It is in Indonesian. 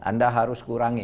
anda harus kurangi